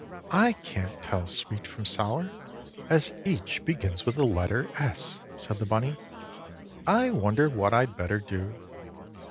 "I can't tell Sweet from Sour, as each begins with the letter S," said the bunny. "I wonder what I'd better do?"